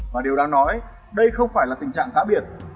và điều đang nói đây không phải là tình trạng khác biệt